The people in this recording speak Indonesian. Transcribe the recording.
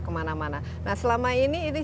kemana mana nah selama ini ini